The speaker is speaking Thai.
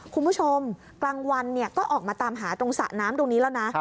คุณผู้ชมกลางวันก็ออกมาตามหาตรงสระน้ำตรงนี้แล้วนะ